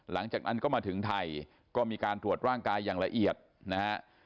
หลังจากนั้นก็มาถึงไทยก็มีการตรวจร่างกายอย่างละเอียดนะฮะ